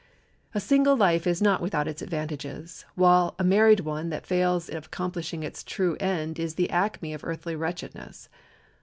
A single life is not without its advantages, while a married one that fails of accomplishing its true end is the acme of earthly wretchedness.